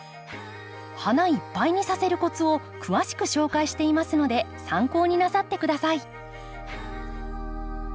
花いっぱいにさせるコツを詳しく紹介していますので参考になさって下さい。